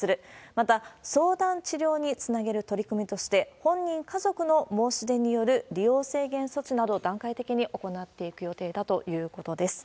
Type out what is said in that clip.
また、相談、治療につなげる取り組みとして、本人、家族の申し出による利用制限措置などを段階的に行っていく予定だということです。